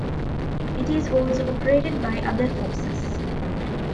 It is also operated by other forces.